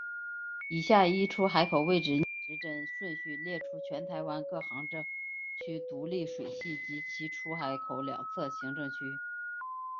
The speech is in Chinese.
以下依出海口位置逆时针顺序列出全台湾各行政区独立水系及其出海口两侧行政区。